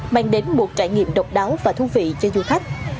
mang đến một trải nghiệm độc đáo và thú vị cho du khách